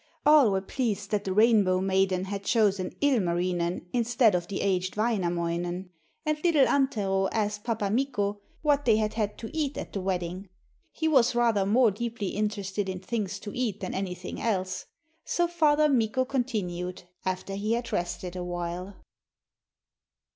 All were pleased that the Rainbow maiden had chosen Ilmarinen instead of the aged Wainamoinen, and little Antero asked 'Pappa' Mikko what they had had to eat at the wedding he was rather more deeply interested in things to eat than anything else so Father Mikko continued, after he had rested a while.